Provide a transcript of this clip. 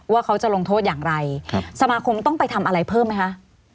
ว่าเขาจะลงโทษอย่างไรสมาคมต้องไปทำอะไรเพิ่มไหมคะ